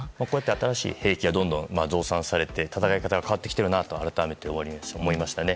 新しい兵器がどんどん増産されて戦い方が変わってきているなと改めて思いましたね。